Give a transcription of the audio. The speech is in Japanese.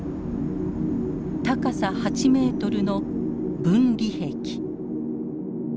高さ８メートルの分離壁。